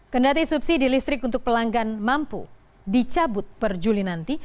kendati subsidi listrik untuk pelanggan mampu dicabut per juli nanti